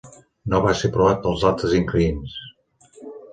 No va ser aprovat pels altres inquilins.